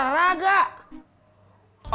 olahraga tuh bagus buat fisik dia